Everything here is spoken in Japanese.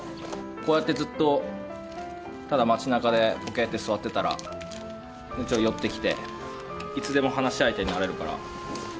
こうやってずっとただ町中でぼけって座ってたらちょっと寄ってきていつでも話し相手になれるから。